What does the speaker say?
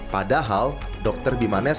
padahal dr bimane